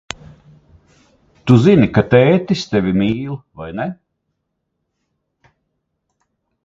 Tu zini, ka tētis tevi mīl, vai ne?